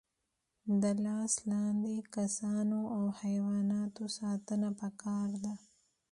د لاس لاندې کسانو او حیواناتو ساتنه پکار ده.